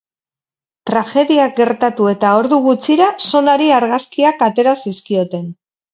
Tragedia gertatu eta ordu gutxira zonari argazkiak atera zizkioten.